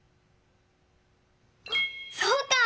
そうか！